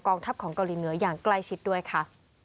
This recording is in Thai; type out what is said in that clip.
ทัพของเกาหลีเหนืออย่างใกล้ชิดด้วยค่ะ